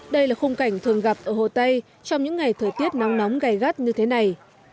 đây là khung cảnh thường gặp ở hồ tây trong những ngày thời tiết nắng nóng gai gắt như thế này